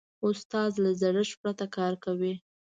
استاد له زړښت پرته کار کوي.